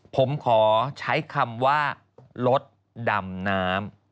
ผมขอใช้คำว่ารถดำน้ำ